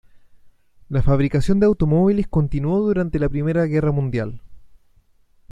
La fabricación de automóviles continuó durante la Primera Guerra Mundial.